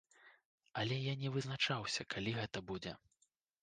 Але я не вызначаўся, калі гэта будзе.